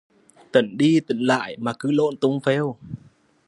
Tính đi tính lại mà cứ lộn tùng phèo